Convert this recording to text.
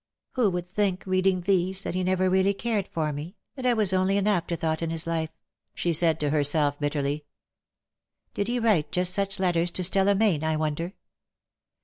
" Who would think; reading these, that he never really cared for me, that I was only an after thought in his life/" she said to herself, bitterly. " Did he write just such letters to Stella Mayne, I wonder?